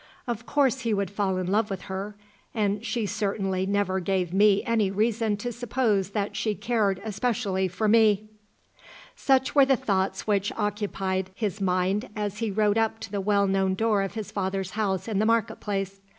Of course he would fall in love with her; and she certainly never gave me any reason to suppose that she cared especially for me." Such were the thoughts which occupied his mind as he rode up to the well known door of his father's house in the market place.